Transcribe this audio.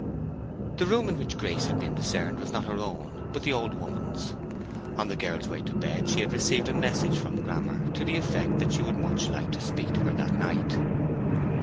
The room in which Grace had been discerned was not her own, but the old woman's. On the girl's way to bed she had received a message from Grammer, to the effect that she would much like to speak to her that night.